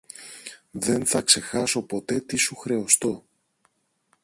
Δε θα ξεχάσω ποτέ τι σου χρεωστώ.